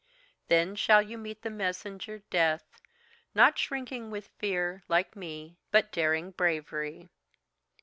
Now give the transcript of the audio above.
Then shall you meet the messenger death not with shrinking fear (like me), but daring bravery.